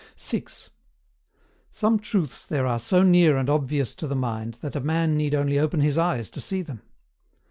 Some truths there are so near and obvious to the mind that a man need only open his eyes to see them.